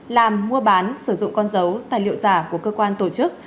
làm mua bán sử dụng con dấu tài liệu giả của cơ quan tổ chức